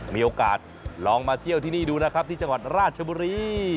มีโอกาสลองมาเที่ยวที่นี่ดูนะครับที่จังหวัดราชบุรี